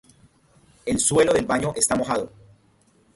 El suelo del baño está mojado.